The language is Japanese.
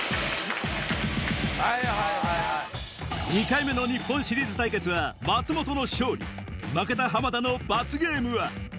２ 回目の日本シリーズ対決は負けた浜田の罰ゲームは？